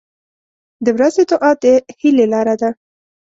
• د ورځې دعا د هیلې لاره ده.